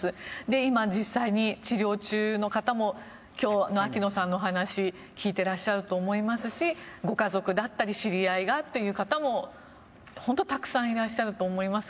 今、実際に治療中の方も今日の秋野さんの話聞いてらっしゃると思いますしご家族だったり知り合いがという方も本当にたくさんいらっしゃると思います。